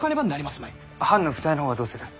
藩の負債の方はどうする？